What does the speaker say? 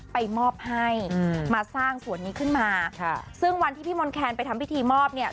ไปมอบให้อืมมาสร้างสวนนี้ขึ้นมาค่ะซึ่งวันที่พี่มนต์แคนไปทำพิธีมอบเนี่ย